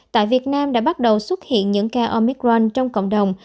tại việt nam đã bắt đầu xuất hiện những ca omicron trong cộng đồng